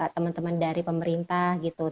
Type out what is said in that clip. temen temen dari pemerintah gitu